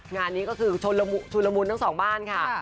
งานนี้ก็คือชุนละมุนทั้งสองบ้านค่ะ